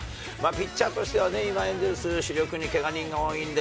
ピッチャーとしてはね、今、エンゼルス、主力にけが人が多いんで、